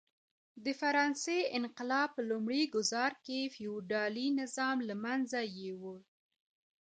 د فرانسې انقلاب په لومړي ګوزار کې فیوډالي نظام له منځه یووړ.